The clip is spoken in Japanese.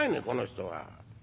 この人は。